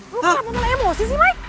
lo kenapa malah emosi sih mai